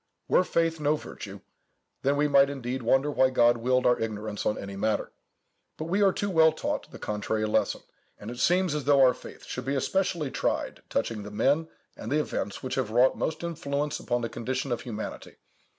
Were faith no virtue, then we might indeed wonder why God willed our ignorance on any matter. But we are too well taught the contrary lesson; and it seems as though our faith should be especially tried touching the men and the events which have wrought most influence upon the condition of humanity.